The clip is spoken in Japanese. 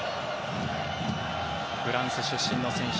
フランス出身の選手。